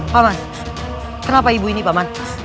paman kenapa ibu ini paman